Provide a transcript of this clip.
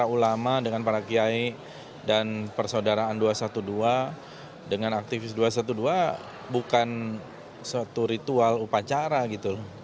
ulama dengan para kiai dan persaudaraan dua ratus dua belas dengan aktivis dua ratus dua belas bukan suatu ritual upacara gitu